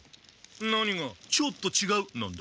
何が「ちょっとちがう」なんだ？